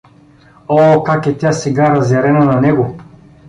О, как е тя сега разярена на него!